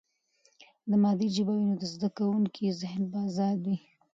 که مادي ژبه وي، نو د زده کوونکي ذهن به آزاد وي.